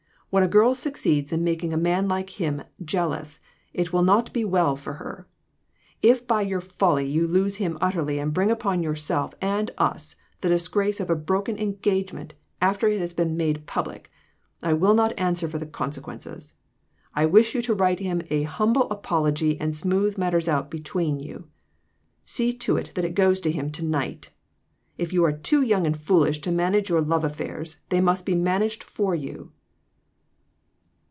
When a girl succeeds in making a man like him, jealous, it will not be well for her. If by your folly you lose him utterly and bring upon yourself and us the disgrace of a broken engagement after it has been made public, I will not answer for the consequences. I wish you to write him a humble apology and smooth matters out between you. See to it that it goes to him to night. If you are too young and foolish to manage your love affairs, they must be managed for you."